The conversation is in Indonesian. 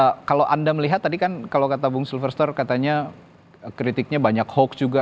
nah kalau anda melihat tadi kan kalau kata bung sulver store katanya kritiknya banyak hoax juga